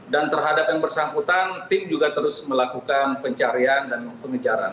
dan terhadap yang bersangkutan tim juga terus melakukan pencarian dan pengejaran